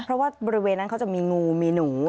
เพราะว่าบริเวณนั้นเขาจะมีงูมีหนู